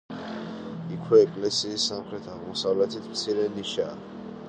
იქვე ეკლესიის სამხრეთ-აღმოსავლეთით მცირე ნიშაა.